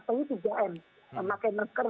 kayaknya tiga m memakai masker